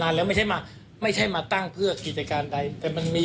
แล้วไม่ใช่มาไม่ใช่มาตั้งเพื่อกิจการใดแต่มันมี